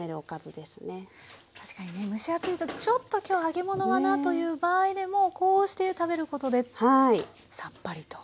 確かにね蒸し暑いとちょっと今日揚げ物はなという場合でもこうして食べることでさっぱりと。